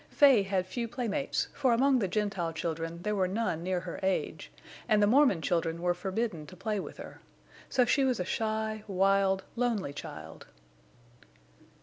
Fay had few playmates, for among the Gentile children there were none near her age, and the Mormon children were forbidden to play with her. So she was a shy, wild, lonely child.